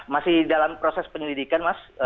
masih dalam proses penyelidikan mas